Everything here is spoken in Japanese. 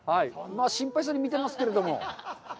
心配そうに見てますけれども。